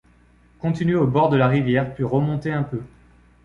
Continuer au bord de la rivière, puis remonter un peu.